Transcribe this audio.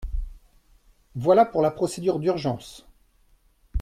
Voilà pour la procédure d’urgence.